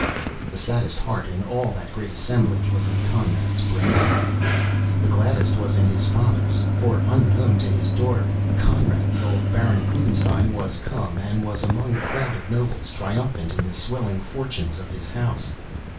The saddest heart in all that great assemblage was in Conrad's breast. The gladdest was in his father's. For, unknown to his daughter "Conrad," the old Baron Klugenstein was come, and was among the crowd of nobles, triumphant in the swelling fortunes of his house.